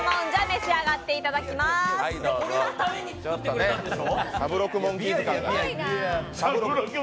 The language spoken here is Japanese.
俺のために作ってくれたんでしょ？